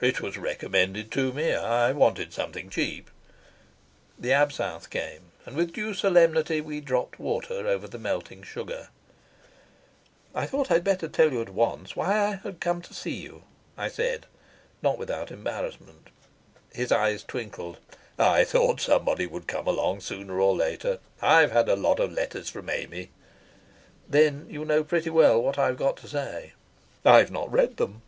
"It was recommended to me. I wanted something cheap." The absinthe came, and with due solemnity we dropped water over the melting sugar. "I thought I'd better tell you at once why I had come to see you," I said, not without embarrassment. His eyes twinkled. "I thought somebody would come along sooner or later. I've had a lot of letters from Amy." "Then you know pretty well what I've got to say." "I've not read them."